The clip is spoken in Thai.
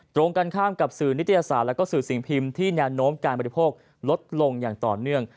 ตรงกันข้ามกับสื่อนิตยศาสตร์และสื่อสิ่งพิมพ์ที่แนวโน้มการบริโภคลดลงอย่างต่อเนื่อง